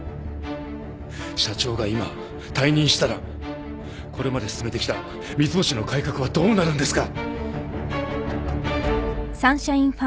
社長が今退任したらこれまで進めてきた三ツ星の改革はどうなるんですか！？